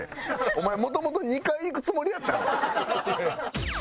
お前もともと２回いくつもりやったん？